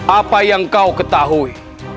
apa yang kau ketahui